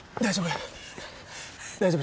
大丈夫？